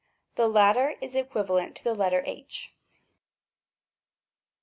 The latter is equiv alent to the letter h.